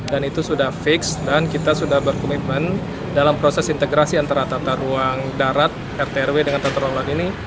dan itu sudah fix dan kita sudah berkomitmen dalam proses integrasi antara tata ruang darat rtrw dengan tata ruang laut ini